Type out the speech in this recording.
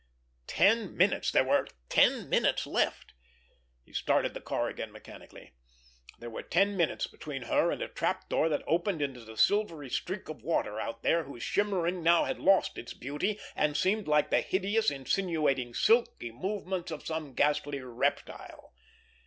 _ Ten minutes! There were ten minutes left! He started the car again mechanically. There were ten minutes between her and a trap door that opened into the silvery streak of water out there, whose shimmering now had lost its beauty and seemed like the hideous, insinuating, silky movement of some ghastly reptile.